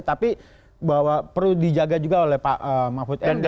tapi perlu dijaga juga oleh pak mahfud endi